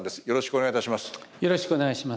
よろしくお願いします。